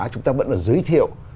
chúng ta vẫn là giới thiệu